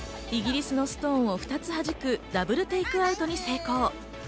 イギリスのストーンを２つはじくダブルテイクアウトに成功。